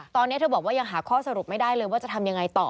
ตอนนี้เธอบอกว่ายังหาข้อสรุปไม่ได้เลยว่าจะทำยังไงต่อ